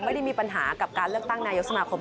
ไม่ได้มีปัญหากับการเลือกตั้งในอุตวิคภาพ